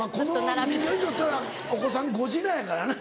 この人形にとったらお子さんゴジラやからな。